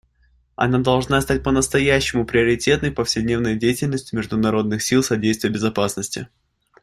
Она должна стать по-настоящему приоритетной в повседневной деятельности международных сил содействия безопасности.